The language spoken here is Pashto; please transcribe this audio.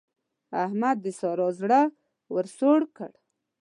احمد د سارا زړه ور سوړ کړ.